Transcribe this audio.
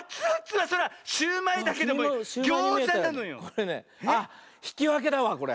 これねあっひきわけだわこれ。